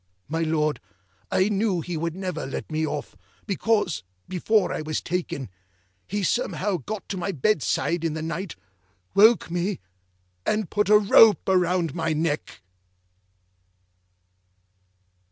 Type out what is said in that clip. My Lord, I knew he would never let me off, because, before I was taken, he somehow got to my bedside in the night, woke me, and put a rope round my neck.